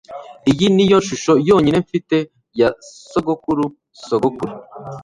iyi niyo shusho yonyine mfite ya sogokuru-sogokuru